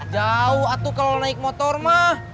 jauh atuh kalo naik motor mah